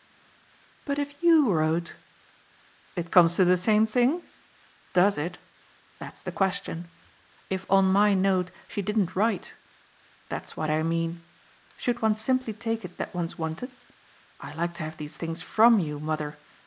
"But if YOU wrote " "It comes to the same thing? DOES it? that's the question. If on my note she didn't write that's what I mean. Should one simply take it that one's wanted? I like to have these things FROM you, mother.